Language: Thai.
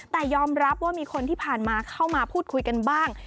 แต่ยอมรับว่ามีคนที่ผ่านมาเข้ามาพูดคุยกันบ้าง